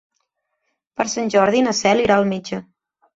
Per Sant Jordi na Cel irà al metge.